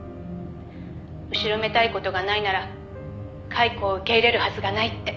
「後ろめたい事がないなら解雇を受け入れるはずがないって」